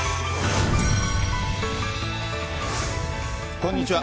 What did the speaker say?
こんにちは。